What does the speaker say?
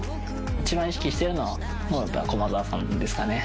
一番意識しているのは駒澤さんですかね。